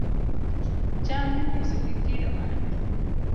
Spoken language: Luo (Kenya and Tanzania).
Cham inyiso gi kido mane